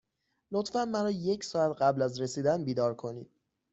لطفا مرا یک ساعت قبل از رسیدن بیدار کنید.